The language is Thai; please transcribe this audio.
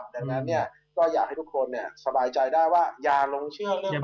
ดังนั้นก็อยากให้ทุกคนสบายใจได้ว่าอย่าลงเชื่อเรื่อง